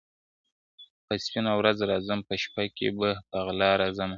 په سپینه ورځ راځم په شپه کي به په غلا راځمه ,